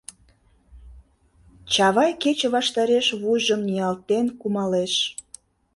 Чавай кече ваштареш вуйжым ниялтен кумалеш.